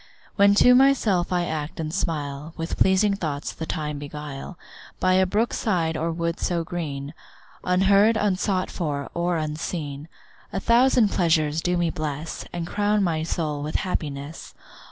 When to myself I act and smile, With pleasing thoughts the time beguile, By a brook side or wood so green, Unheard, unsought for, or unseen, A thousand pleasures do me bless, And crown my soul with happiness.